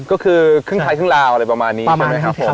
ก็คือขึ้นไทยขึ้นลาวอะไรประมาณนี้ใช่ไหมครับ